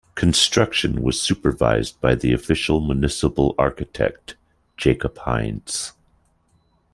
Construction was supervised by the official municipal architect, Jacob Heinz.